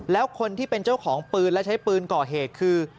แล้วคนที่เป็นเจ้าของปืนและใช้ปืนก่อเหตุคือ